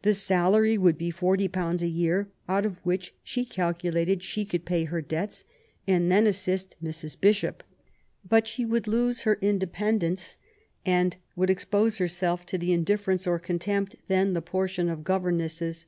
The salary would be forty pounds a year, out of which she cal culated she could pay her debts and then assist Mrs. Bishop. But she would lose her independence, and would expose herself to the indifference or contempt then the portion of governesses.